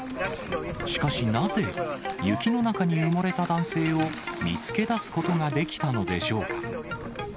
しかしなぜ、雪の中に埋もれた男性を見つけ出すことができたのでしょうか。